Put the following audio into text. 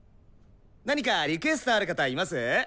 何かリクエストある方います？